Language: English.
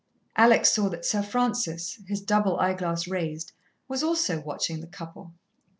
Alex saw that Sir Francis, his double eyeglass raised, was also watching the couple.